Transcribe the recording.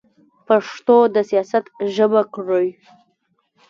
پښتو د سیاست ژبه کړئ.